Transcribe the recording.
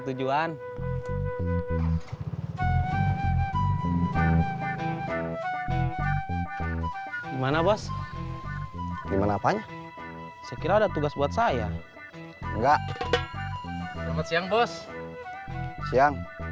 tujuan gimana bos gimana apanya sekiranya ada tugas buat saya enggak siang bos siang